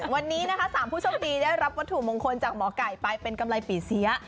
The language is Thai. วันนี้นะคะ๓ผู้โชคดีได้รับวัตถุมงคลจากหมอไก่ไปเป็นกำไรปีเสีย